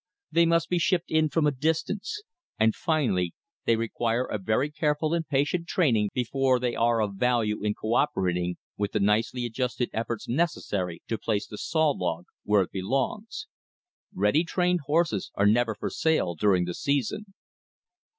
They must be shipped in from a distance. And, finally, they require a very careful and patient training before they are of value in co operating with the nicely adjusted efforts necessary to place the sawlog where it belongs. Ready trained horses are never for sale during the season.